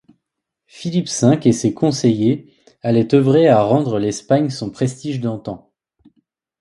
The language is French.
Philippe V et ses conseillers allaient œuvrer à rendre à l’Espagne son prestige d’antan.